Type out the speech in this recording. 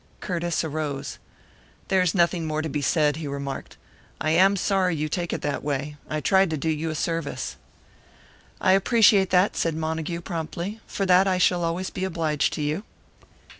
Curtiss arose. "There is nothing more to be said," he remarked. "I am sorry you take it that way. I tried to do you a service." "I appreciate that," said Montague, promptly. "For that I shall always be obliged to you."